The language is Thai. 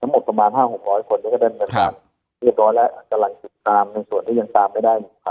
นี่ก็เป็นหน้าที่เรียนร้อยและกำลังติดตามในส่วนที่ยังตามไม่ได้